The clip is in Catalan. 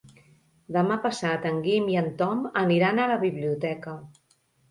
Demà passat en Guim i en Tom aniran a la biblioteca.